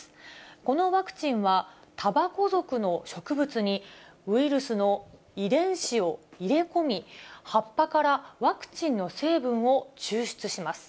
このワクチンは、タバコ属の植物に、ウイルスの遺伝子を入れ込み、葉っぱからワクチンの成分を抽出します。